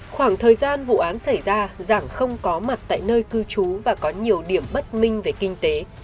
khoảng thời gian vụ án xảy ra giảng không có mặt tại nơi cư trú và có nhiều điểm bất minh về kinh tế